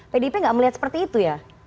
bdp gak melihat seperti itu ya